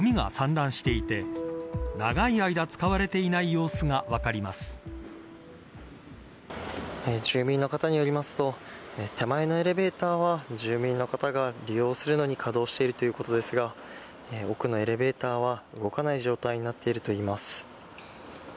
現在、７階より上の部分は窓の手すりはさびつき室内にはごみが散乱していて長い間使われていない様子が住民の方によりますと手前のエレベーターは住民の方が利用するのに稼働しているということですが奥のエレベーターは動かない状態になっているといいます。